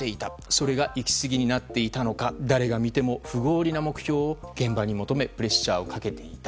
それが行きすぎになっていたのか誰が見ても不合理な目標を現場に求めプレッシャーをかけていた。